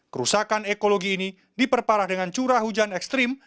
kerusakan ekologi ini diperparah dengan curah hujan ekstrim